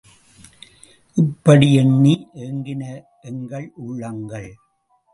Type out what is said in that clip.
இப்படி எண்ணி ஏங்கின எங்கள் உள்ளங்கள்.